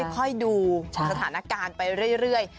ค่อยดูสถานการณ์ไปเรื่อย